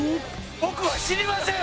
僕は死にません！